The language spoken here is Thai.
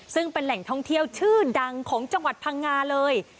ซึ่งเป็นแหล่งท่องเที่ยวชื่อดังของจังหวัดพังงาเลย